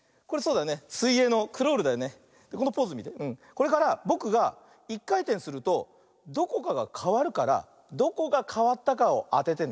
これからぼくが１かいてんするとどこかがかわるからどこがかわったかをあててね。